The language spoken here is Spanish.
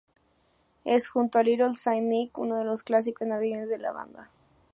Es junto a "Little Saint Nick" uno de los clásicos navideños de la banda.